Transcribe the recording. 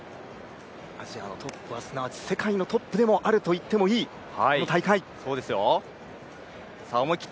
アジアのトップはすなわち世界のトップであると言ってもいい、この大会。